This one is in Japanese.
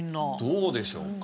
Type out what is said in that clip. どうでしょうか？